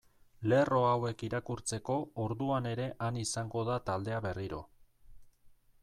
Lerro hauek irakurtzeko orduan ere han izango da taldea berriro.